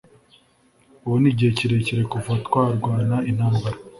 ubu ni igihe kirekire kuva twarwana intambara